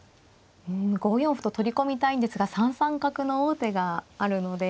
５四歩と取り込みたいんですが３三角の王手があるので。